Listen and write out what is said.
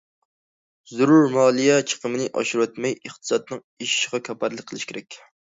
زۆرۈر مالىيە چىقىمىنى ئاشۇرۇۋەتمەي، ئىقتىسادنىڭ ئېشىشىغا كاپالەتلىك قىلىش كېرەك.